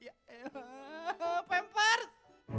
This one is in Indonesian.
ya elah pempers